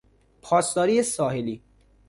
پاسداری ساحلی